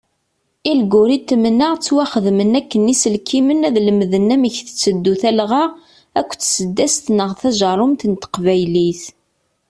Ilguritmen-a, ttwaxedmen akken iselkimen ad lemden amek tetteddu telɣa akked tseddast neɣ tajerrumt n teqbaylit.